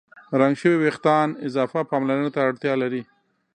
رنګ شوي وېښتيان اضافه پاملرنې ته اړتیا لري.